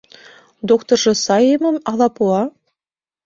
Доктыржо сай эмым ала пуа?